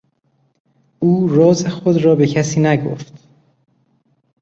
او راز خود را به کسی نگفت.